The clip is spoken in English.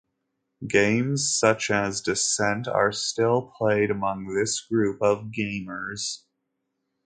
Games, such as Descent, are still played among this group of gamers.